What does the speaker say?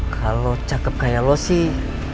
kalau cakep kayak lo sih